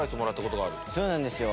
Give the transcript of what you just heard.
そうなんですよ。